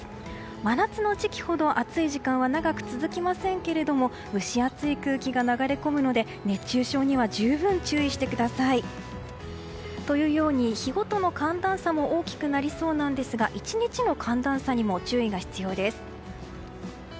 真夏の時期ほど暑い時間は長く続きませんけれども蒸し暑い空気が流れ込むので熱中症には十分注意してください。というように日ごとの寒暖差も大きくなりそうなんですが１日の寒暖差にも注意が必要です。